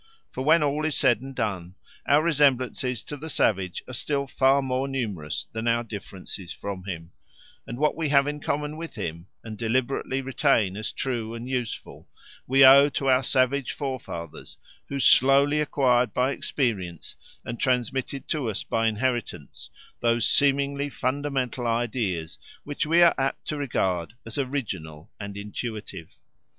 For when all is said and done our resemblances to the savage are still far more numerous than our differences from him; and what we have in common with him, and deliberately retain as true and useful, we owe to our savage forefathers who slowly acquired by experience and transmitted to us by inheritance those seemingly fundamental ideas which we are apt to regard as original and intuitive.